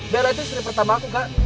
bela itu istri pertama aku kak